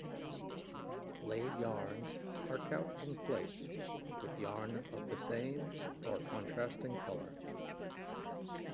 Laid yarns are couched in place with yarn of the same or contrasting colour.